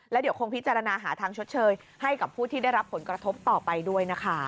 แล้วเดี๋ยวคงพิจารณาหาทางชดเชยให้กับผู้ที่ได้รับผลกระทบต่อไปด้วยนะคะ